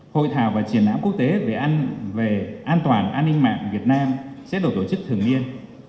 hội thảo và triển lãm quốc tế về an toàn an ninh mạng việt nam sẽ được tổ chức thường niên